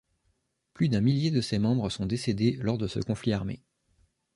Plus d'un millier de ses membres sont décédés lors de ce conflit armé.